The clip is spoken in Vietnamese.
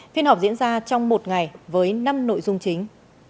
phiên họp diễn ra trong một ngày với năm nội dung chính